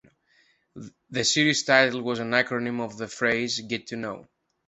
The series title was an acronym of the phrase "Get To Know".